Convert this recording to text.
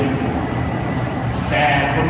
หยุดแม้คุณจะแพ้นิดนึง